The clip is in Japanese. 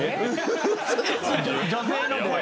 女性の声。